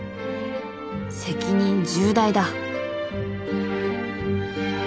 責任重大だ。